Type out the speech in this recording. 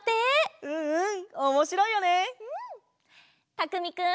たくみくん。